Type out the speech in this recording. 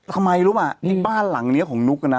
ทำไมรู้ป่ะที่บ้านหลังนี้ของนุ๊กนะ